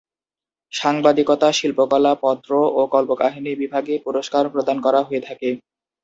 সাংবাদিকতা, শিল্পকলা, পত্র ও কল্পকাহিনী বিভাগে পুরস্কার প্রদান করা হয়ে থাকে।